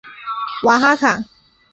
瓦哈卡。